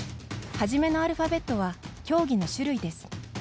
はじめのアルファベットは競技の種類です。